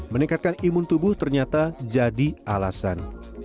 meningkatkan imun tubuh ternyata jadi alasan